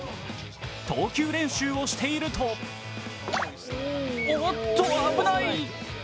投球練習をしているとおっと危ない。